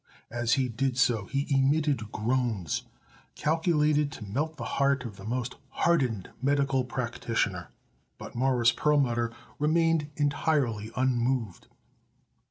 As he did so he emitted groans calculated to melt the heart of the most hardened medical practitioner, but Morris Perlmutter remained entirely unmoved.